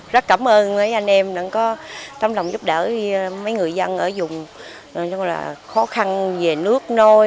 rất cảm ơn mấy anh em đã có tâm lòng giúp đỡ mấy người dân ở vùng khó khăn về nước nôi